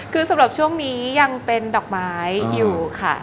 คือสำหรับช่วงนี้ยังเป็นดอกไม้อยู่ค่ะ